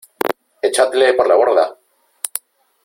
¡ Echadle por la borda !